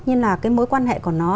nhưng mối quan hệ của nó